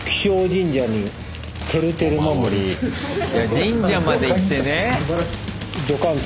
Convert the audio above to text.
神社まで行ってね。